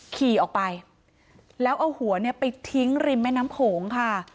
ขี่ออกไปแล้วเอาหัวเนี่ยไปทิ้งริมแม่น้ำโขงค่ะ